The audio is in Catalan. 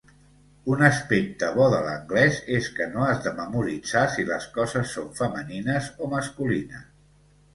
Un aspecte bo de l'anglès és que no has de memoritzar si les coses són femenines o masculines.